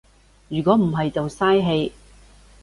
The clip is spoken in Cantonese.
如果唔係就嘥氣